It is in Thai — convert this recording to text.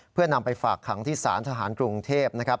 เพื่อนำไปฝากขังที่ศาลทหารกรุงเทพนะครับ